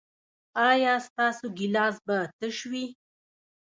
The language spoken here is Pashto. ایا ستاسو ګیلاس به تش وي؟